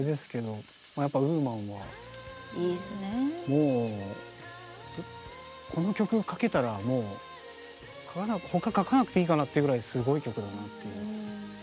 もうこの曲書けたらもう他書かなくていいかなっていうぐらいすごい曲だなっていう。